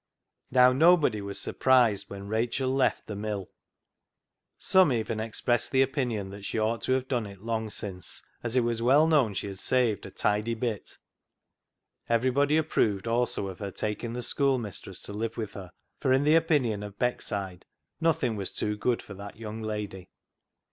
Now, nobody was surprised when Rachel left the mill. Some even expressed the opinion that she ought to have done it long since, as it was well known she had saved a " tidy bit." Everybody approved also of her taking the schoolmistress to live with her, for, in the opinion of Beckside, nothing was too good for that young lady.